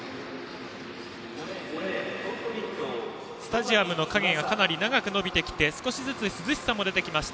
スタジアムの影がかなり長く伸びてきて少しずつ涼しさも出てきました